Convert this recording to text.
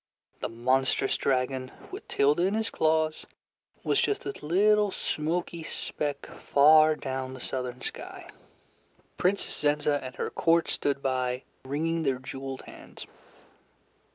The monstrous dragon with Tilda in his claws was just a little smoky speck far down the southern sky. Princess Zenza and her court stood by wringing their jeweled hands.